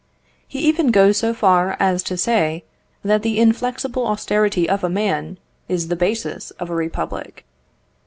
He even goes so far as to say that the inflexible austerity of a man is the basis of a republic.